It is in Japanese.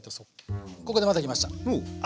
ここでまたきました